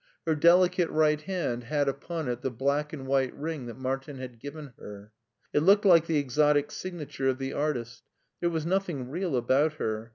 Her delicate right hand had upon it the black and white ring that Martin had given her. It looked like the exotic signa ture of the artist. There was nothing real about her.